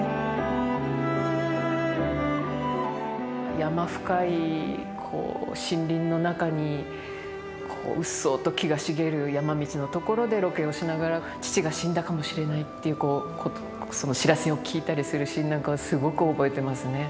山深い森林の中にこううっそうと木が茂る山道の所でロケをしながら父が死んだかもしれないっていうその知らせを聞いたりするシーンなんかはすごく覚えてますね。